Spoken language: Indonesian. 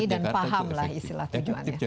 dan pahamlah istilah tujuannya